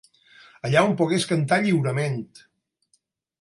Allà on pogués cantar lliurement